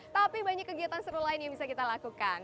tapi banyak kegiatan seru lain yang bisa kita lakukan